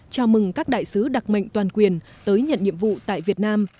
chào mừng các đại sứ đặc mệnh toàn quyền tới nhận nhiệm vụ tại việt nam